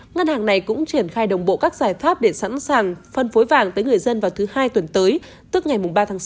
ngân hàng này cũng triển khai đồng bộ các giải pháp để sẵn sàng phân phối vàng tới người dân vào thứ hai tuần tới tức ngày ba tháng sáu